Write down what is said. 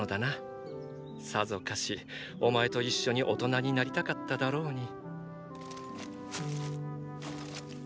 さぞかしお前と一緒に大人になりたかっただろうに。